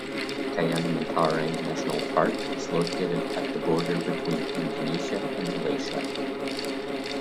Kayan Mentarang National Park is located at the border between Indonesia and Malaysia.